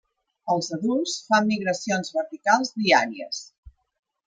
Els adults fan migracions verticals diàries.